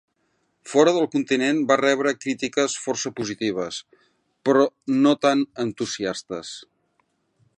Fora del continent van rebre crítiques força positives però no tan entusiastes.